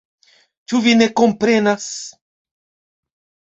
Ĉu vi ne komprenas?